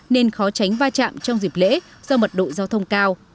nên khó tránh va chạm trong dịp lễ do mật độ giao thông cao